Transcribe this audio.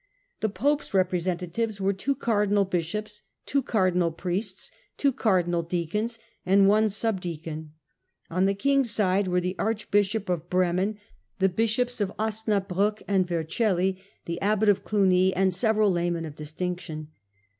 The pope's representatives were two cardinal bishops, two cardinal priests, two cardinal deacons, and one sub deacon; on the king's side were the archbishop of Bremen, the bishops of Osnabriick and Yercelli, the abbot of Olugny, and several laymen of distinction.